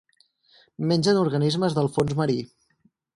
Mengen organismes del fons marí.